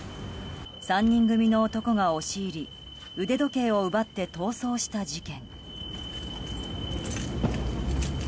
３人組の男が押し入り腕時計を奪って逃走した事件。